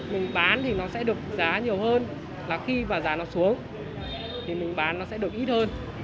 mình bán thì nó sẽ được giá nhiều hơn là khi mà giá nó xuống thì mình bán nó sẽ được ít hơn